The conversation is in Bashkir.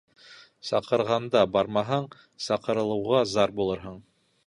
Саҡырғанда бармаһаң, саҡырылыуға зар булырһың.